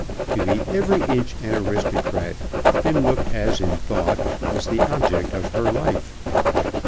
To be every inch an aristocrat, in look as in thought, was the object of her life.